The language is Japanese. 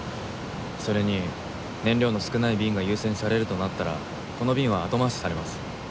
それに燃料の少ない便が優先されるとなったらこの便は後回しにされます。